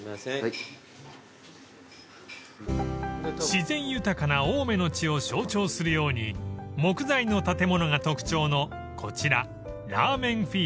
［自然豊かな青梅の地を象徴するように木材の建物が特徴のこちら］